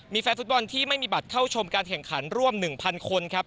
มีแฟนฟุตบอลที่ไม่มีบัตรเข้าชมการแข่งขันร่วม๑๐๐คนครับ